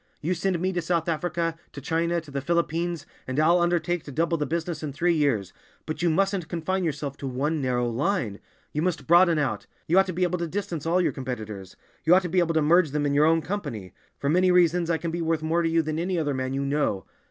You send me to South Africa—to China—to the Philippines, and I'll undertake to double the business in three years, but you mustn't confine yourself to one narrow line; you must broaden out. You ought to be able to distance all your competitors; you ought to be able to merge them in your own company. For many reasons I can be worth more to you than any other man you know.